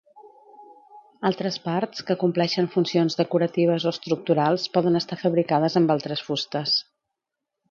Altres parts, que compleixen funcions decoratives o estructurals poden estar fabricades amb altres fustes.